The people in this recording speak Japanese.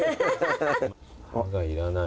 歯がいらない。